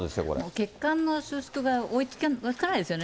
血管の収縮が追いつかないですよね。